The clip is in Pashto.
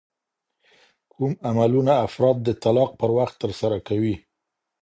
کوم عملونه افراد د طلاق پر وخت ترسره کوي؟